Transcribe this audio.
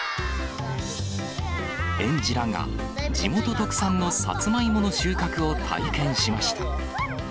園児らが地元特産のさつまいもの収穫を体験しました。